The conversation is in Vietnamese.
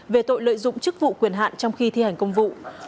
về tội lợi dụng chức vụ quyền hạn trong khi thi hành công vụ